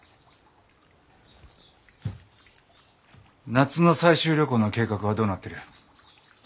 夏の採集旅行の計画はどうなってる？